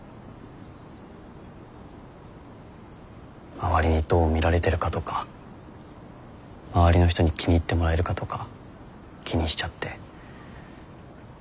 周りにどう見られてるかとか周りの人に気に入ってもらえるかとか気にしちゃって。